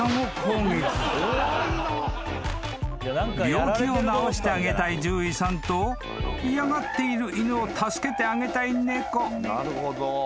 ［病気を治してあげたい獣医さんと嫌がっている犬を助けてあげたい猫］